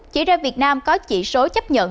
chỉ ra việt nam có chỉ số chấp nhận